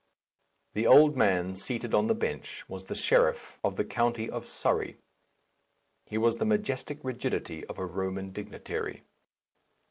The old man seated on the bench was the sheriff of the county of Surrey. His was the majestic rigidity of a Roman dignitary.